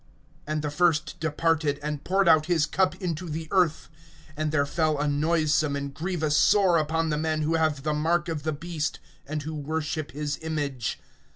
(2)And the first departed, and poured out his cup into the earth[16:2]; and there fell a noisome and grievous sore upon the men who have the mark of the beast, and who worship his image.